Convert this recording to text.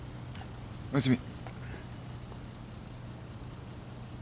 おやすみ。